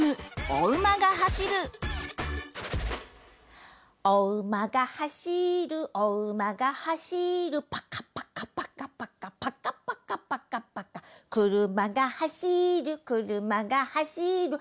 「おうまがはしるおうまがはしる」「パカパカパカパカパカパカパカパカ」「くるまがはしるくるまがはしる」